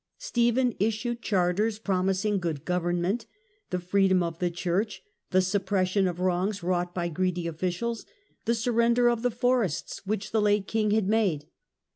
Stephen issued charters promising good government, the freedom of the church, the suppression of wrongs wrought by greedy officials, the surrender of the forests which the late king had made.